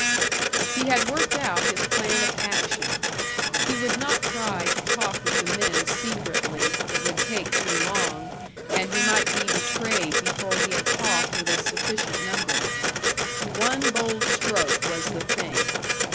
He had worked out his plan of action. He would not try to talk with the men secretly it would take too long, and he might be betrayed before he had talked with a sufficient number. One bold stroke was the thing.